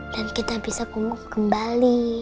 dan kita bisa kumpul kembali